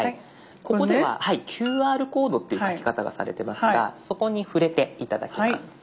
ここでは「ＱＲコード」っていう書き方がされてますがそこに触れて頂きます。